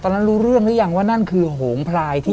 ตอนนั้นรู้เรื่องรึยังว่านั่นคือโหงพลายที่ผม